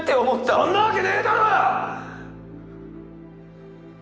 そんなわけねぇだろ！